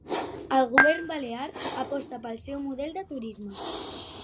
El govern balear aposta pel seu model de turisme